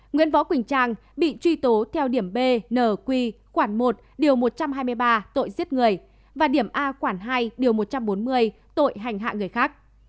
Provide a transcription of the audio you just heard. nguyễn võ quỳnh trang bị truy tố theo điểm b n q quản một điều một trăm hai mươi ba tội giết người và điểm a quản hai điều một trăm bốn mươi tội hành hạ người khác